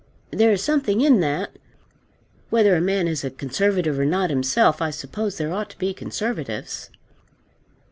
There is something in that. Whether a man is a Conservative or not himself, I suppose there ought to be Conservatives.